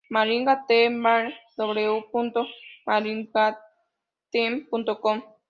Maringá Tem www.maringatem.com